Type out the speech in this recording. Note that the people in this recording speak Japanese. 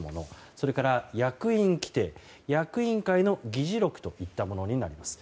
それから役員規程役員会の議事録といったものになります。